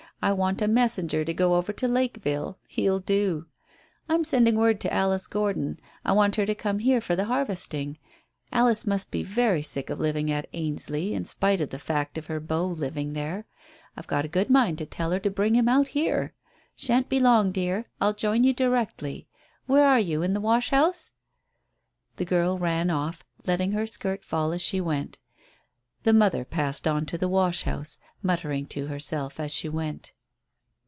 I want a messenger to go over to Lakeville. He'll do. I'm sending word to Alice Gordon. I want her to come here for the harvesting. Alice must get very sick of living at Ainsley, in spite of the fact of her beau living there. I've a good mind to tell her to bring him out here. Shan't be long, dear; I'll join you directly. Where are you? In the wash house?" The girl ran off, letting her skirt fall as she went The mother passed on to the wash house, muttering to herself as she went.